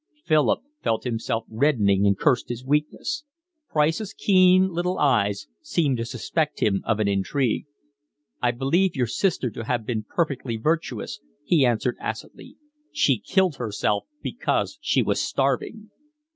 Philip felt himself reddening and cursed his weakness. Price's keen little eyes seemed to suspect him of an intrigue. "I believe your sister to have been perfectly virtuous," he answered acidly. "She killed herself because she was starving."